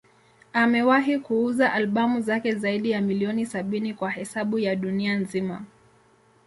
Amewahi kuuza albamu zake zaidi ya milioni sabini kwa hesabu ya dunia nzima.